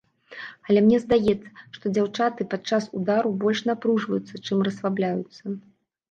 Але мне здаецца, што дзяўчаты падчас удару больш напружваюцца, чым расслабляюцца.